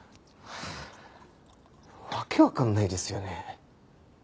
訳わかんないですよね。